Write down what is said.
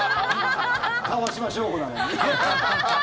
川島省吾なのに。